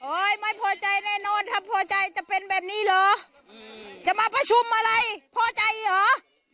ไม่พอใจแน่นอนถ้าพอใจจะเป็นแบบนี้เหรอจะมาประชุมอะไรพอใจเหรอ